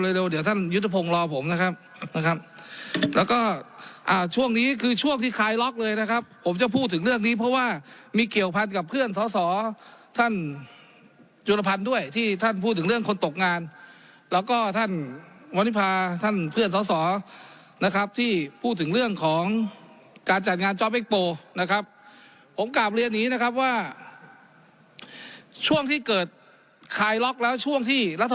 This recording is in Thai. เร็วเดี๋ยวท่านยุทธพงศ์รอผมนะครับนะครับแล้วก็อ่าช่วงนี้คือช่วงที่คลายล็อกเลยนะครับผมจะพูดถึงเรื่องนี้เพราะว่ามีเกี่ยวภัณฑ์กับเพื่อนสอสอท่านจุดภัณฑ์ด้วยที่ท่านพูดถึงเรื่องคนตกงานแล้วก็ท่านวรรณิพาท่านเพื่อนสอสอนะครับที่พูดถึงเรื่องของการจัดงานนะครับผมกล่าวเรียนนี้นะครับว่าช่วงท